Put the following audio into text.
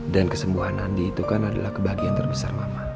dan kesembuhan andi itu kan adalah kebahagiaan terbesar mama